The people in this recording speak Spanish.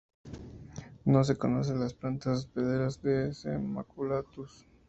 No se conocen las plantas hospederas de "C. maculatus".